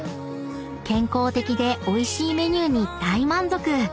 ［健康的でおいしいメニューに大満足］